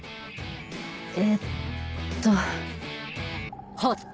えっと。